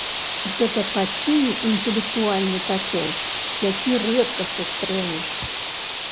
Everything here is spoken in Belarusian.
Гэта такі інтэлектуальны кацёл, які рэдка сустрэнеш.